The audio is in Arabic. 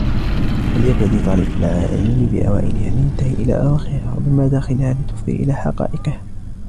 فَلْيَبْتَدِئْ طَالِبُ الْعِلْمِ بِأَوَائِلِهَا لِيَنْتَهِيَ إلَى أَوَاخِرِهَا ، وَبِمَدَاخِلِهَا لِتُفْضِيَ إلَى حَقَائِقِهَا